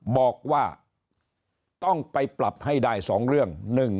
บอกว่าต้องไปปรับให้ได้๒เรื่อง